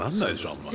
あんまり。